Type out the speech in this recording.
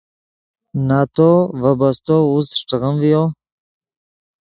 نتو ڤے بستو اوزد اݰٹغیم ڤیو